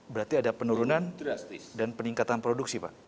berarti ada penurunan dan peningkatan produksi pak